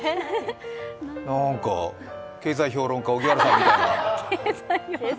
経済評論家・荻原さんみたいな。